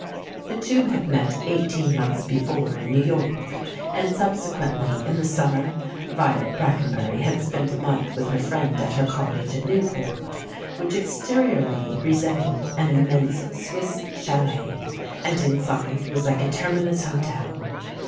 The two had met eighteen months before in New York, and subsequently, in the summer, Violet Brackenbury had spent a month with her friend at her cottage at Newport, which exteriorly resembled an immense Swiss chalet, and inside was like a ter minus hotel.